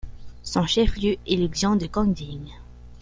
Son chef-lieu est le xian de Kangding.